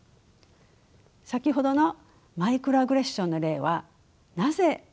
先ほどのマイクロアグレッションの例はなぜ問題なのでしょうか。